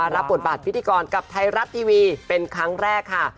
รับบทบาทพิธีกรกับไทยรัฐทีวีเป็นครั้งแรกค่ะ